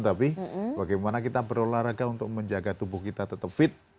tapi bagaimana kita berolahraga untuk menjaga tubuh kita tetap fit